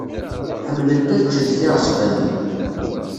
Ḥemmlent ad ččent tiɛesbanin.